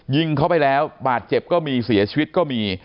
ยิงเขาไปแล้วบาดเจ็บก็มีเสียชีวิตก็มี